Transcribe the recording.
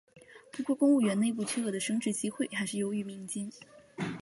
不过公务员内部缺额的升职机会还是优于民间。